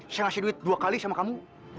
saya ngasih duit dua kali sama kamu